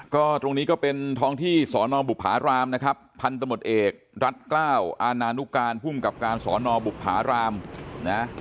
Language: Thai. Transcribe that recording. ก็ตรงนี้ก็เป็นท้องที่สอนอบุภารามนะครับพันธมตเอกรัฐกล้าวอาณานุการภูมิกับการสอนอบุภารามนะ